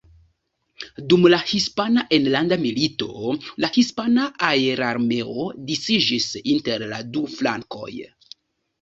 Dum la Hispana Enlanda Milito la Hispana Aerarmeo disiĝis inter la du flankoj.